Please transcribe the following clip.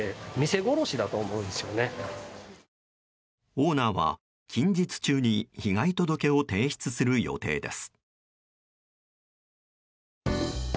オーナーは近日中に被害届を提出する予定です。